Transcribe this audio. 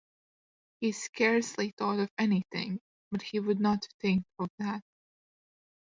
He scarcely thought of anything, but he would not think of that.